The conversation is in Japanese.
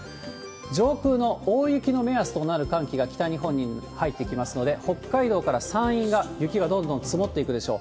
上空の大雪の目安となる寒気が北日本に入ってきますので、北海道から山陰が雪がどんどん積もっていくでしょう。